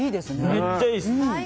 めっちゃいいです！